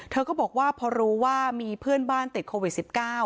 เธอก็บอกว่าพอรู้ว่ามีเพื่อนบ้านติดโควิด๑๙